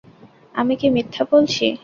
আমি কি মিথ্যা বলছি।